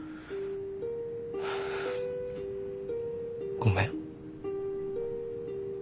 ごめん。